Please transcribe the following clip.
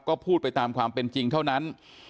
ก็พูดไปตามความเป็นจริงเท่านั้น